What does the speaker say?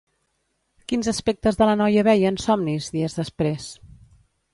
Quins aspectes de la noia veia en somnis dies després?